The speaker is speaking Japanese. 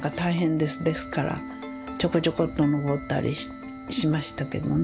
ですからちょこちょこっと登ったりしましたけどね。